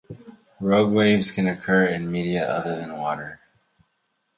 Rogue waves can occur in media other than water.